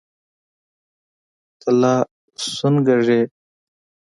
ته لا سونګه ږې.